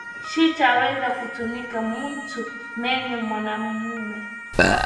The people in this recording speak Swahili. Shita weza kutumikiya muntu miye mwanamuke